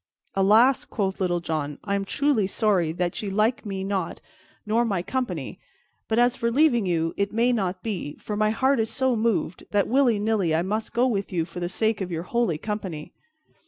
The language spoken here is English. "Alas," quoth Little John, "I am truly sorry that ye like me not nor my company, but as for leaving you, it may not be, for my heart is so moved, that, willy nilly, I must go with you for the sake of your holy company."